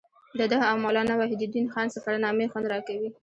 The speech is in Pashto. د ده او مولانا وحیدالدین خان سفرنامې خوند راکوي.